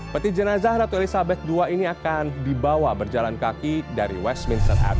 peti jenazah ratu elizabeth ii ini akan dibawa berjalan kaki dari westminster app